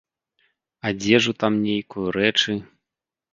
Адзежу там нейкую, рэчы.